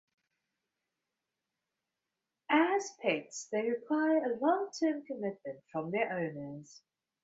As pets they require a long-term commitment from their owners.